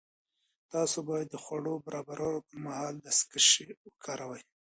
تاسو باید د خوړو د برابرولو پر مهال دستکشې وکاروئ.